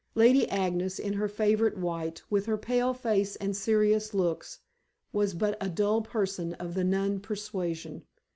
Lady Agnes, in her favorite white, with her pale face and serious looks, was but a dull person of the nun persuasion.